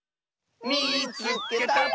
「みいつけた！」。